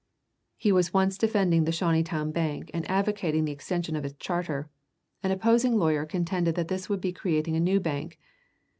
He was once defending the Shawneetown Bank and advocating the extension of its charter; an opposing lawyer contended that this would be creating a new bank.